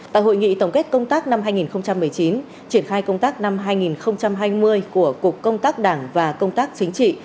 tại hội nghị tổng kết công tác năm hai nghìn một mươi chín triển khai công tác năm hai nghìn hai mươi của cục công tác đảng và công tác chính trị